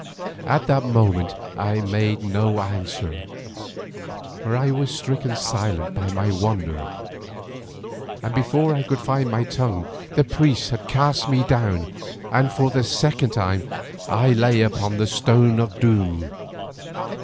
At the moment I made no answer, for I was stricken silent by my wonder, and before I could find my tongue the priests had cast me down, and for the second time I lay upon the stone of doom.